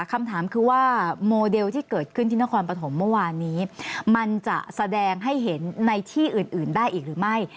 คำถามคือว่าโมเดลที่เกิดขึ้นที่นครปฐมเมื่อวานนี้มันจะแสดงให้เห็นในที่อื่นได้อีกหรือไม่